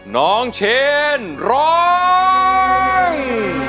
น้องเชนร้อง